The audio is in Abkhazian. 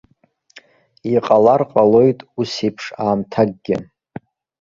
Иҟалар ҟалоит ус еиԥш аамҭакгьы.